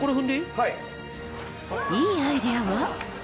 はい良いアイデアは？